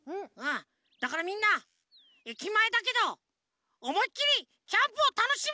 だからみんな駅前だけどおもいっきりキャンプをたのしむぞ！